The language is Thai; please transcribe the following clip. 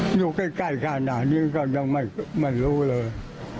ไม่รู้จักเลยอยู่ใกล้ขนาดนี้ก็ยังไม่รู้เลย